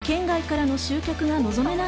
県外からの集客が望めない